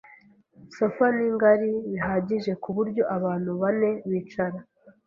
Sofa ni ngari bihagije kuburyo abantu bane bicara.